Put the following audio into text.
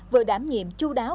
vừa đảm nhiệm chú đáo